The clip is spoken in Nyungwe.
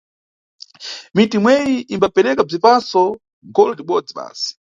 Miti imweyi imbapereka bzisapo gole libodzi basi.